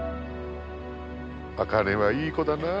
茜はいい子だなぁ。